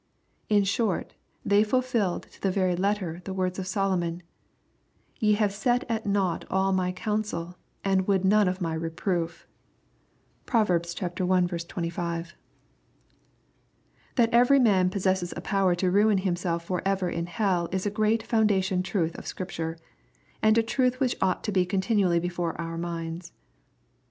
In short they fulfilled to the very letter the words of Solomon :" Ye have set at nought all my counsel and would none of my reproof." (Prov. i. 26.) That every man possesses a power to ruin himself for ever in hell is a great foundation truth of Scripture, and a truth which ought to be continually before our minds.